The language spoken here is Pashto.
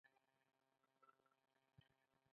هغې خپلې کړکۍ پرانیستې